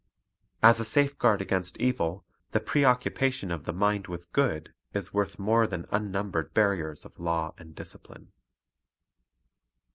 As a safeguard against evil, the preoccupation of the mind with good is worth more than unnumbered barriers of law and discipline.